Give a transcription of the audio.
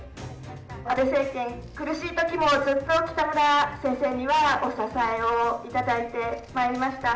安倍政権、苦しいときもずっと北村先生にはお支えをいただいてまいりました。